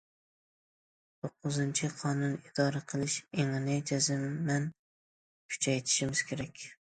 توققۇزىنچى، قانۇن ئىدارە قىلىش ئېڭىنى جەزمەن كۈچەيتىشىمىز كېرەك.